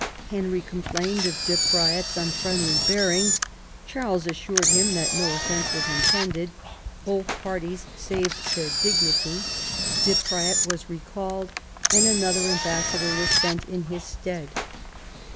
Henry complained of De Praet's unfriendly bearing; Charles assured him that no offence was intended. Both parties saved their dignity; De Praet was recalled, and another ambassador was sent .in his stead.